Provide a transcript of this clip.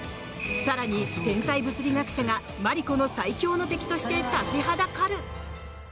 更に、天才物理学者がマリコの最強の敵として立ちはだかる！